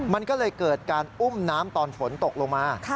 มันก็เลยเกิดการอุ้มน้ำตอนฝนตกลงมา